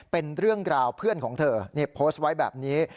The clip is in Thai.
เป็นเรื่องราวเพื่อนของเธอนี่โพสต์ไว้แบบนี้